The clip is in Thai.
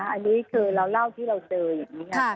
อันนี้คือเราเล่าที่เราเจออย่างนี้ค่ะ